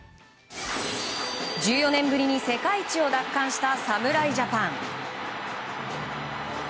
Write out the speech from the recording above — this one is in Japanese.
１４年ぶりに世界一を奪還した侍ジャパン。